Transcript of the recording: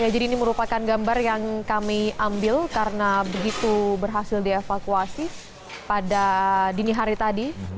jadi ini merupakan gambar yang kami ambil karena begitu berhasil dievakuasi pada dini hari tadi